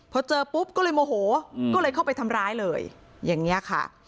พอเจอปุ๊บก็เลยโมโหก็เลยเข้าไปทำร้ายเลยอย่างนี้ค่ะ